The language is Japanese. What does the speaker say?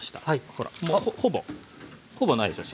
ほらほぼほぼないでしょ。